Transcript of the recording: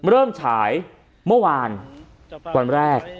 เริ่มฉายเมื่อวานวันแรก